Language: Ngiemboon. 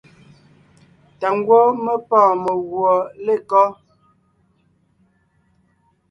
Tà ngwɔ́ mé pɔ́ɔn meguɔ lekɔ́?